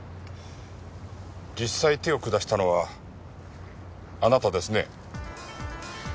実際手を下したのはあなたですね？